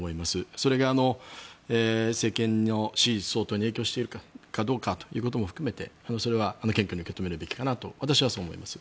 それが政権の支持率に影響しているかどうかということも含めてそれは謙虚に受け止めるべきだと私は思います。